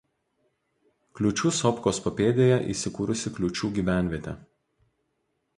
Kliučių Sopkos papėdėje įsikūrusi Kliučių gyvenvietė.